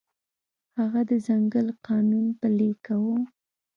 هغه د ځنګل قانون پلی کاوه.